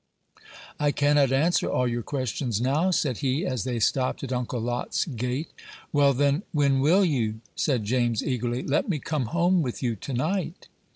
"I cannot answer all your questions now," said he, as they stopped at Uncle Lot's gate. "Well, then, when will you?" said James, eagerly. "Let me come home with you to night?"